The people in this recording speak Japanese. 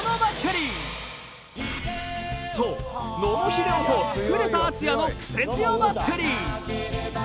そう野茂英雄と古田敦也のクセ強バッテリー。